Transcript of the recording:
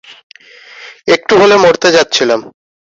একটু হলে মরতে যাচ্ছিলাম!